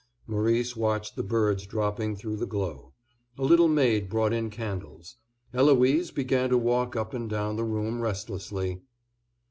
Maurice watched the birds dropping through the glow. A little maid brought in candles. Eloise began to walk up and down the room restlessly.